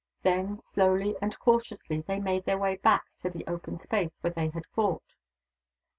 Then, slowly and cautiously, they made their way back to the open space where they had fought.